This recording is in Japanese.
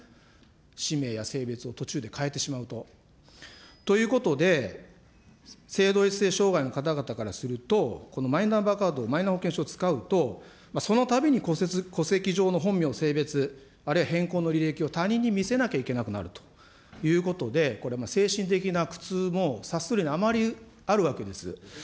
氏名や性別を途中で変えてしまうと。ということで、性同一性障害の方々からすると、このマイナンバーカード、マイナ保険証を使うと、そのたびに戸籍上の本名、性別、あるいは変更の履歴を他人に見せなければいけなくなるということで、これ、精神的な苦痛も察するに余りあるわけです。